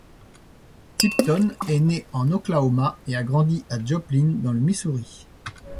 Tipton est né en Oklahoma et a grandi à Joplin, dans le Missouri.